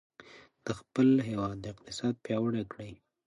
د خپل هېواد اقتصاد پیاوړی کړئ.